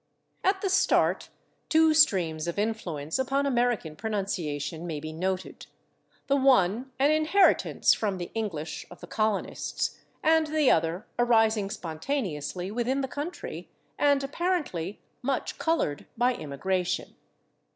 At the start two streams of influence upon American pronunciation may be noted, the one an inheritance from the English of the colonists and the other arising spontaneously within the country, and apparently much colored by immigration.